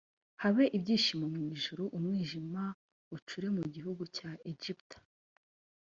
habe ibyishimo mu ijuru umwijima ucure mu gihugu cya egiputa